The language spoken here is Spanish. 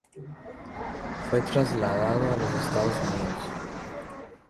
Fue trasladado a los Estados Unidos.